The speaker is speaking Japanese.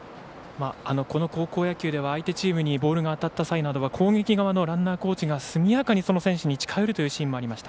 この高校野球は相手チームにボールが当たった際には攻撃側のランナーコーチが速やかに近寄るというシーンがありました。